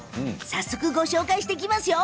早速ご紹介していきますよ。